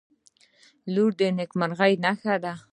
• لور د نیکمرغۍ نښه ده.